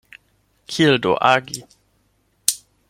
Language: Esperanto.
Kiel do agi?